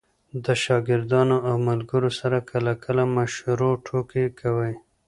د شاګردانو او ملګرو سره کله – کله مشروع ټوکي کوئ!